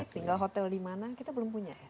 tinggal hotel dimana kita belum punya ya